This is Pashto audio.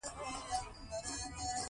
آنلاین پیرل کوئ؟